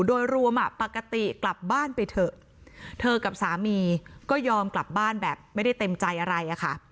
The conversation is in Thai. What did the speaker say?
โดยรวมอ่ะปกติกลับบ้านไปเถอะเธอกับสามีก็ยอมกลับบ้านแบบไม่ได้เต็มใจอะไรอะค่ะ